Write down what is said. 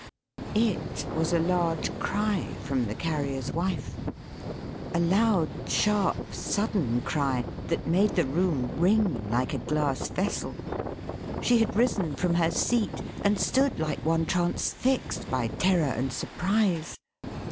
It was a loud cry from the Carrier's wife; a loud, sharp, sudden cry, that made the room ring, like a glass vessel. She had risen from her seat, and stood like one transfixed by terror and surprise.